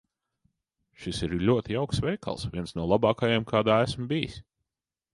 Šis ir ļoti jauks veikals. Viens no labākajiem, kādā esmu bijis.